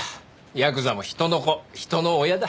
ヤクザも人の子人の親だ。